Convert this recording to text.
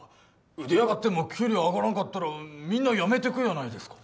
腕上がっても給料上がらんかったらみんな辞めてくやないですか